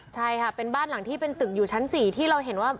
ใช่ค่ะเป็นบ้านหลังที่เป็นตึกอยู่ชั้น๔ที่เราเห็นว่า